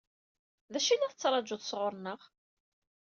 D acu i la tettṛaǧuḍ sɣur-neɣ?